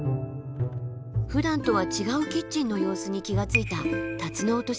ふだんとは違うキッチンの様子に気が付いたタツノオトシゴさん。